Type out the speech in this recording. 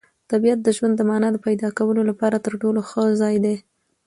طبیعت د ژوند د مانا د پیدا کولو لپاره تر ټولو ښه ځای دی.